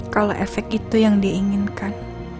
kalau efek itu yang diinginkan